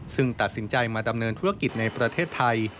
ซึ่งตัดสินใจมาดำเนินธุรกิจในประเทศไทย